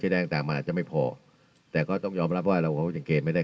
แดงต่างมันอาจจะไม่พอแต่ก็ต้องยอมรับว่าเราก็สังเกตไม่ได้